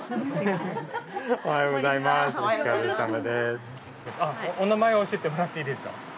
お名前を教えてもらっていいですか。